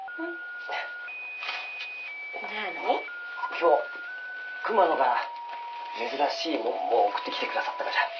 今日熊野から珍しいもんも送ってきてくださったがじゃ。